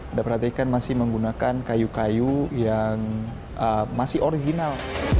anda perhatikan masih menggunakan kayu kayu yang masih original